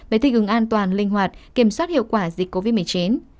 về thích ứng an toàn linh hoạt kiểm soát hiệu quả dịch covid một mươi chín